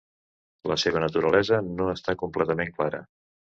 La seva naturalesa no està completament clara.